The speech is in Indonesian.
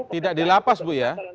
tidak dilapas bu ya